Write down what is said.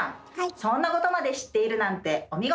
そんなことまで知っているなんてお見事！